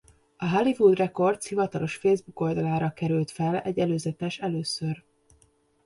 A Hollywood Records hivatalos Facebook oldalára került fel egy előzetes először.